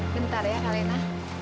bentar ya kalena